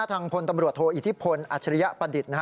ทางพลตำรวจโทอิทธิพลอัจฉริยประดิษฐ์